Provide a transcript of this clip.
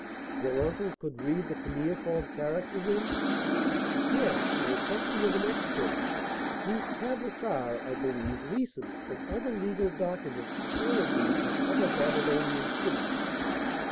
"Your uncle could read the cuneiform character, then?" "Yes; he was something of an expert. These tablets are, I believe, leases and other legal documents from Eridu and other Babylonian cities.